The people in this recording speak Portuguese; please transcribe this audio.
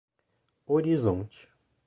Horizonte